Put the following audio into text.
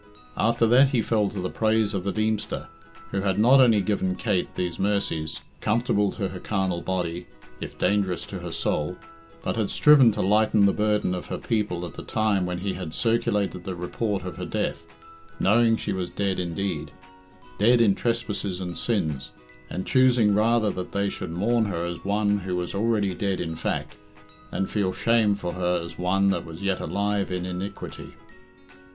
After that he fell to the praise of the Deemster, who had not only given Kate these mercies, comfortable to her carnal body, if dangerous to her soul, but had striven to lighten the burden of her people at the time when he had circulated the report of her death, knowing she was dead indeed, dead in trespasses and sins, and choosing rather that they should mourn her as one who was already dead in fact, than feel shame for her as one that was yet alive in iniquity.